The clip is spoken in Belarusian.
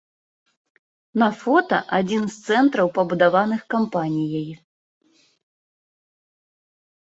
На фота адзін з цэнтраў пабудаваных кампаніяй.